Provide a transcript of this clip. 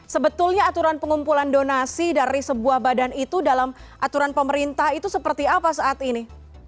sebetulnya aturan pengumpulan donasi dari sebuah badan itu dalam aturan pemerintah itu seperti apa saat ini